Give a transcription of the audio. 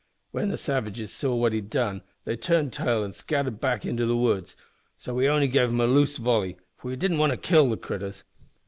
When the savages saw what he'd done they turned tail an' scattered back into the woods, so we only gave them a loose volley, for we didn't want to kill the critters.